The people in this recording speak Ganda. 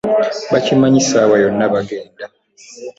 Bakimanyi ssaawa yonna bagenda.